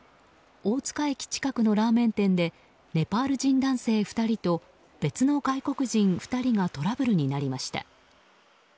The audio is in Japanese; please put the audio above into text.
大塚駅近くのラーメン店でネパール人男性２人と別の外国人２人がトラブルになりました。